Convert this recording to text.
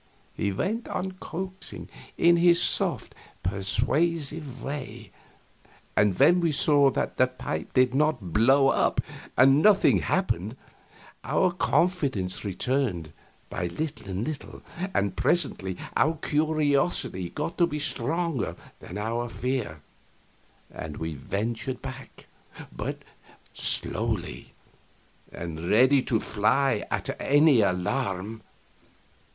He went on coaxing, in his soft, persuasive way; and when we saw that the pipe did not blow up and nothing happened, our confidence returned by little and little, and presently our curiosity got to be stronger than our fear, and we ventured back but slowly, and ready to fly at any alarm.